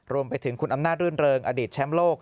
รวมไปถึงคุณอำนาจรื่นเริงอดีตแชมป์โลก